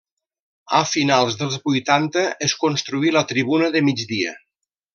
A finals dels vuitanta es construí la tribuna de migdia.